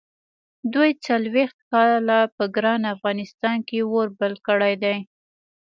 دوی څلوېښت کاله په ګران افغانستان کې اور بل کړی دی.